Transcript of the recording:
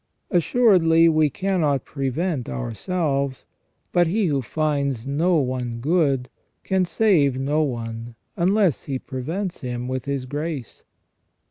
Assuredly we cannot prevent ourselves. But he who finds no one good can save no one unless He prevents him with His grace.